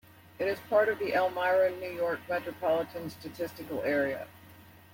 It is part of the Elmira, New York Metropolitan Statistical Area.